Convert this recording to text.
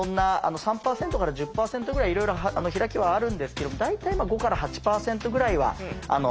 ３％から１０％ぐらいいろいろ開きはあるんですけども大体５から８％ぐらいは人口の中でいるんじゃないかと。